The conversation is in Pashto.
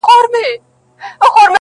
نه به لاس د چا گرېوان ته ور رسېږي -